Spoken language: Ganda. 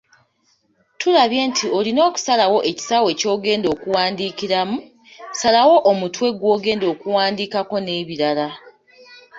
Tulabye nti olina okusalawo ekisaawe ky’ogenda okuwandiikiramu, salawo omutwe gw’ogenda okuwandiikako n'ebirala. ,